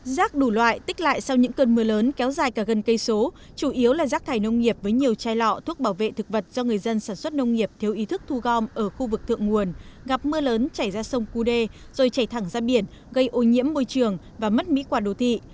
rác đủ loại tích lại sau những cơn mưa lớn kéo dài cả gần cây số chủ yếu là rác thải nông nghiệp với nhiều chai lọ thuốc bảo vệ thực vật do người dân sản xuất nông nghiệp thiếu ý thức thu gom ở khu vực thượng nguồn gặp mưa lớn chảy ra sông cú đê rồi chảy thẳng ra biển gây ô nhiễm môi trường và mất mỹ quản đồ thị